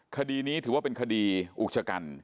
คดีนี้ถือว่าเป็นคดีอุกชะกัน